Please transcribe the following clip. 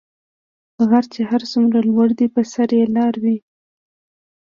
غر چی هر څومره لوړ دي په سر یي لار وي .